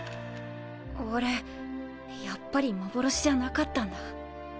あれやっぱり幻じゃなかったんだ。